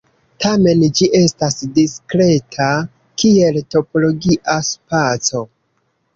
Tamen, ĝi estas diskreta kiel topologia spaco.